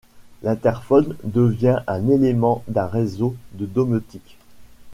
L'interphone devient un élément d'un réseau de domotique.